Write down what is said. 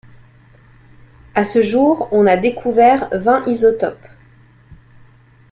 À ce jour, on a découvert vingt isotopes.